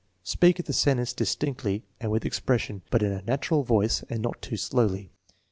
Speak the sentence distinctly and with expression, but in a natural voice and not too slowly.